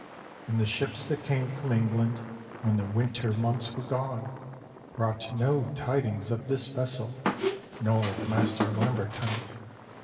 And the ships that came from England, When the winter months were gone, Brought no tidings of this vessel Nor of Master Lamberton.